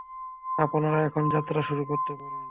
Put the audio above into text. আপনারা এখন যাত্রা শুরু করতে পারেন।